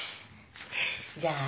じゃあ私